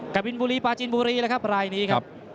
กบินบุรีปลาจีนบุรีแล้วครับรายนี้ครับ